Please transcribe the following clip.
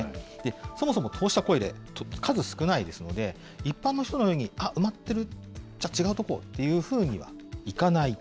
そもそもこうした声で、数少ないですので、一般の人のようにあっ、埋まってる、じゃあ、違うところというふうにはいかない。